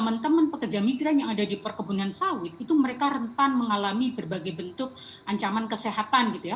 teman teman pekerja migran yang ada di perkebunan sawit itu mereka rentan mengalami berbagai bentuk ancaman kesehatan gitu ya